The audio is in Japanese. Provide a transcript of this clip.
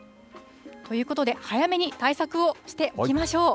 ということで、早めに対策をしていきましょう。